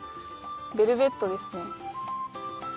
ベルベットですね。